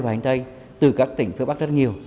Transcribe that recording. và hành tây từ các tỉnh phía bắc rất nhiều